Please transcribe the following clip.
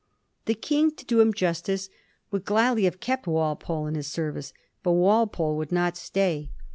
The King, to do him justice, would gladly have kept Walpole in his service, but Walpole would not stay.